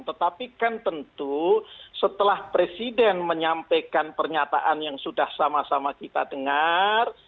tetapi kan tentu setelah presiden menyampaikan pernyataan yang sudah sama sama kita dengar